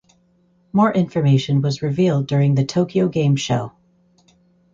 More information was revealed during the Tokyo Game Show.